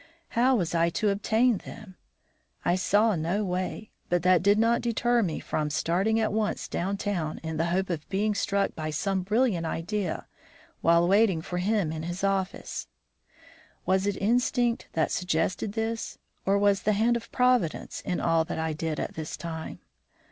How was I to obtain them? I saw no way, but that did not deter me from starting at once down town in the hope of being struck by some brilliant idea while waiting for him in his office. Was it instinct that suggested this, or was the hand of Providence in all that I did at this time?